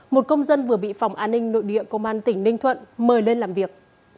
một công dân vừa bị phòng an ninh nội địa công an tỉnh ninh thuận mời lên làm việc